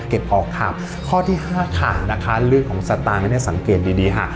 ออกค่ะข้อที่ห้าค่ะนะคะเรื่องของสตางค์เนี่ยสังเกตดีดีค่ะ